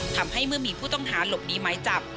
ทำให้เมื่อมีผู้ต้องหาหลบหนีไม้จับ